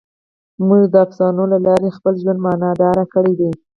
موږ د افسانو له لارې خپل ژوند معنیدار کړی دی.